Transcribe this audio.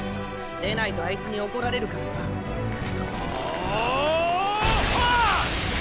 でないとあいつに怒られるからさ。はあぁはあっ！